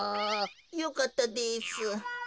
よかったです。